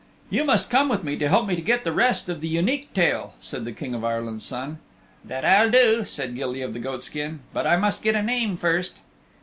"You must come with me and help me to get the rest of the Unique Tale," said the King of Ireland's Son. "That I'll do," said Gilly of the Goatskin. "But I must get a name first.